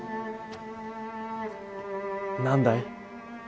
何だい？